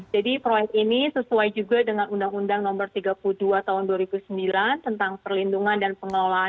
jadi proyek ini sesuai juga dengan undang undang nomor tiga puluh dua tahun dua ribu sembilan tentang perlindungan dan pengelolaan